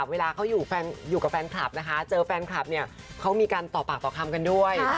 เวลาเขาอยู่กับแฟนคลับนะคะเจอแฟนคลับเนี่ยเขามีการต่อปากต่อคำกันด้วย